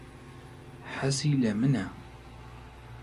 حەزی لە منە؟